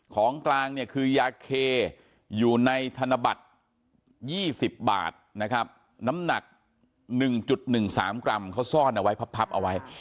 ของกลางเนี่ยคือยาเคอยู่ในธนบัตร๒๐บาทนะครับน้ำหนัก๑๑๓กรัมเขาซ่อนเอาไว้พับเอาไว้